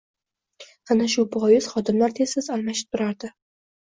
Ana shu bois xodimlar tez-tez almashib turardi